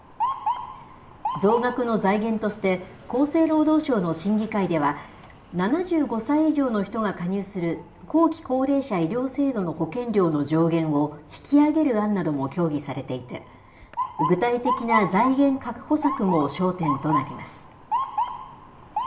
増額の財源として、厚生労働省の審議会では、７５歳以上の人が加入する後期高齢者医療制度の保険料の上限を引き上げる案なども協議されていて、具体的な財源確保策も焦点となります。